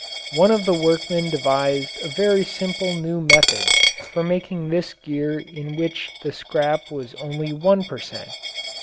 One of the workmen devised a very simple new method for making this gear in which the scrap was only one per cent.